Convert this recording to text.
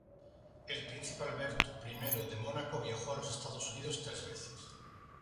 El Príncipe Alberto I de Mónaco viajó a los Estados Unidos tres veces.